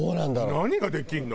何ができるの？